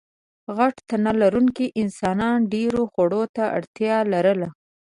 غټ تنلرونکو انسانانو ډېرو خوړو ته اړتیا لرله.